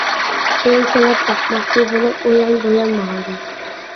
كېيىن سىناپ باقماقچى بولۇپ ئۇيان-بۇيان ماڭدى.